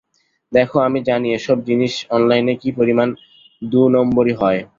দেখো, আমি জানি এসব জিনিস নিয়ে অনলাইনে কী পরিমাণ দুনম্বরী হয়।